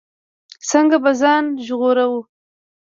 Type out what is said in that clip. څنګه به ځان ژغورو.